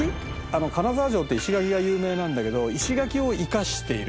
金沢城って石垣が有名なんだけど石垣を生かしている。